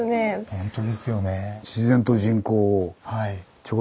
ほんとですよね。